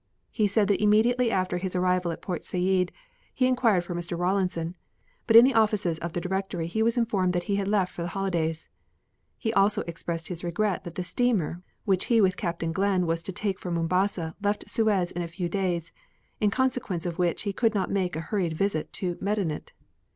He said that immediately after his arrival at Port Said he inquired for Mr. Rawlinson, but in the offices of the directory he was informed that he had left for the holidays. He expressed also his regret that the steamer which he with Captain Glenn was to take for Mombasa left Suez in a few days, in consequence of which he could not make a hurried visit to Medinet.